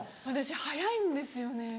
私早いんですよね